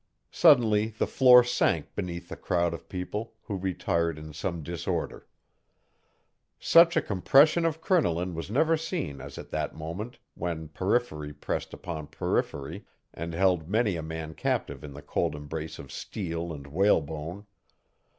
Suddenly the floor sank beneath the crowd of people, who retired in some disorder. Such a compression of crinoline was never seen as at that moment, when periphery pressed upon periphery, and held many a man captive in the cold embrace of steel and whalebone.